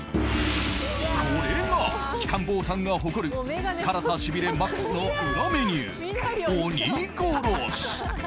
これが鬼金棒さんが誇る辛さしびれＭＡＸの裏メニュー鬼殺し。